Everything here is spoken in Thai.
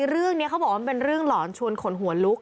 เรื่องนี้เขาบอกว่ามันเป็นเรื่องหลอนชวนขนหัวลุก